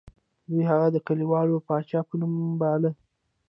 دوی هغه د کلیوال پاچا په نوم باله.